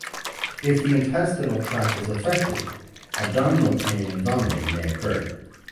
If the intestinal tract is affected abdominal pain and vomiting may occur.